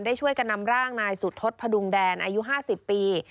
ได้ช่วยกันนำร่างนายสุทศพดุงแดนอายุ๕๐ปี